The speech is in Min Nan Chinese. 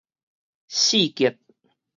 四結